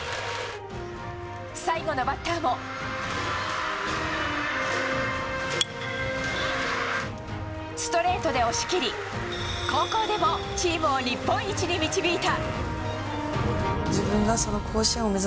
最後のバッターもストレートで押し切り高校でもチームを日本一に導いた。